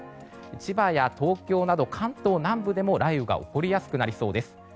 千葉や東京など関東南部でも雷雨が起こりやすくなりそうです。